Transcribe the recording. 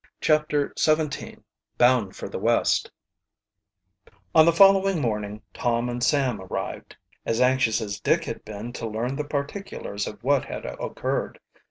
CHAPTER XVII BOUND FOR THE WEST On the following morning Tom and Sam arrived, as anxious as Dick had been to learn the particulars of what had occurred.